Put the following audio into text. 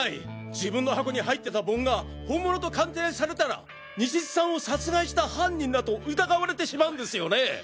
自分の箱に入ってた盆が本物と鑑定されたら西津さんを殺害した犯人だと疑われてしまうんですよね！？